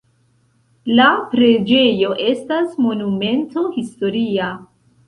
La preĝejo estas monumento historia.